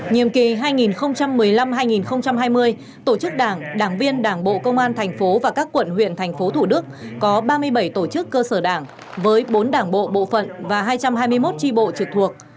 nhiệm kỳ hai nghìn một mươi năm hai nghìn hai mươi tổ chức đảng đảng viên đảng bộ công an thành phố và các quận huyện thành phố thủ đức có ba mươi bảy tổ chức cơ sở đảng với bốn đảng bộ bộ phận và hai trăm hai mươi một tri bộ trực thuộc